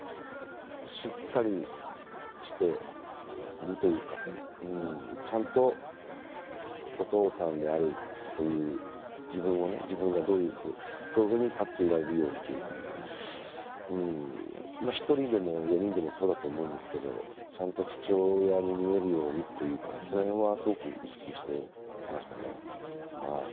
しっかりしてるというかちゃんとお父さんであるという自分がどういう、そういうふうに立っていられるというか、１人でも４人でもそうだと思うんですけどちゃんと父親に見えるようにというかその辺はすごく意識していましたね。